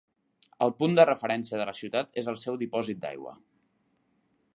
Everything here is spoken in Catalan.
El punt de referència de la ciutat és el seu dipòsit d'aigua.